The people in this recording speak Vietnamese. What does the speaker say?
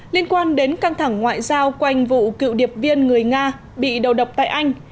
liên quan đến căng thẳng ngoại giao quanh vụ cựu điệp viên người nga bị đầu độc tại anh